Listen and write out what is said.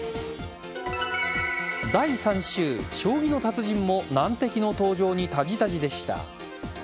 第３週将棋の達人も難敵の登場にたじたじでした。